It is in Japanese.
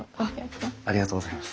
ありがとうございます。